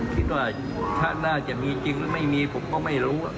คิดว่าชาติหน้าจะมีจริงหรือไม่มีผมก็ไม่รู้